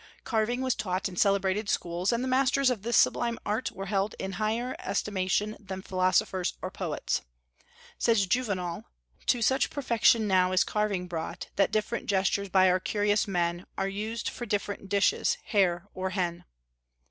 Carving was taught in celebrated schools, and the masters of this sublime art were held in higher estimation than philosophers or poets. Says Juvenal, "To such perfection now is carving brought, That different gestures by our curious men Are used for different dishes, hare or hen."